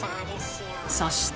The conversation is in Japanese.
そして。